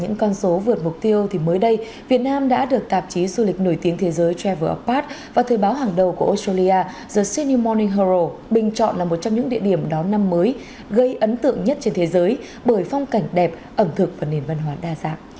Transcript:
những con số vượt mục tiêu thì mới đây việt nam đã được tạp chí du lịch nổi tiếng thế giới travel apad và thời báo hàng đầu của australia the senieming horo bình chọn là một trong những địa điểm đón năm mới gây ấn tượng nhất trên thế giới bởi phong cảnh đẹp ẩm thực và nền văn hóa đa dạng